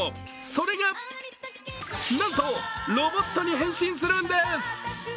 それがなんとロボットに変身するんです！